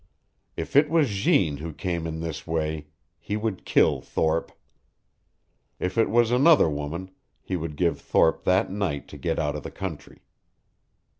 If it was Jeanne who came in this way, he would kill Thorpe. If it was another woman, he would give Thorpe that night to get out of the country.